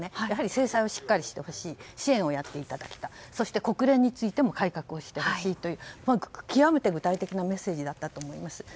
やはり制裁をしっかりしてほしい支援をやっていただきたいそして国連についても改革をしてほしいという極めて具体的なメッセージだったと思います。